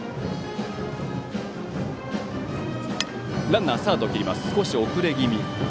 ランナーはスタートを切りますが少し遅れ気味。